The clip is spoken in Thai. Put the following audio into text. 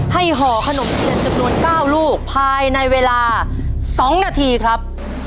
ห่อขนมเทียนจำนวน๙ลูกภายในเวลา๒นาทีครับ